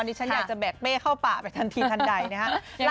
ดิฉันอยากจะแบกเป้เข้าป่าไปทันทีทันใดนะครับ